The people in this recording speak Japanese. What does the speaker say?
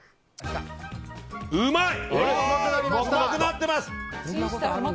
うまい！